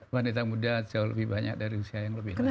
wanita muda jauh lebih banyak dari usia yang lebih rendah